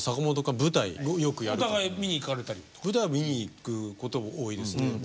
舞台を見に行くことは多いですね。